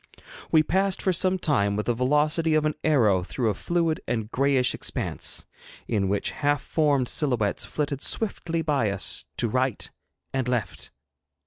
We passed for some time with the velocity of an arrow through a fluid and grayish expanse, in which half formed silhouettes flitted swiftly by us, to right and left.